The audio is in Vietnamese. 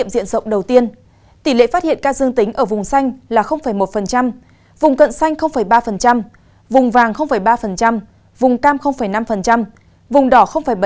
diện rộng đầu tiên tỷ lệ phát hiện ca dương tính ở vùng xanh là một vùng cận xanh ba vùng vàng ba vùng cam năm vùng đỏ bảy